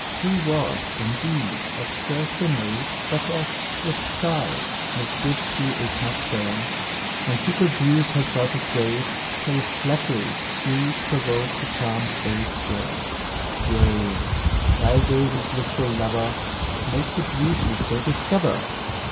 Who was, indeed, at first a maid Such as, with sighs, misgives she is not fair, And secret views herself afraid, Till flatteries sweet provoke the charms they swear: Yea, thy gazes, blissful lover, Make the beauties they discover!